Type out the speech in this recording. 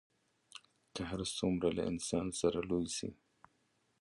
که هر څومره له انسانه سره لوی سي